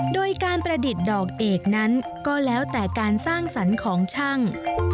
โดยการประดิษฐ์ดอกเอกนั้นก็แล้วแต่การสร้างสรรค์ของช่าง